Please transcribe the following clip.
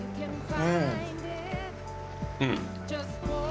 うん。